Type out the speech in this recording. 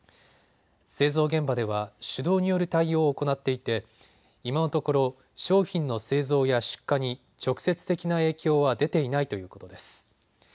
製造現場では手動による対応を行っていて今のところ商品の製造や出荷に直接的な影響は出ていないということです。